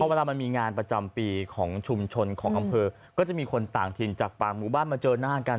เวลามันมีงานประจำปีของชุมชนของอำเภอก็จะมีคนต่างถิ่นจากปากหมู่บ้านมาเจอหน้ากัน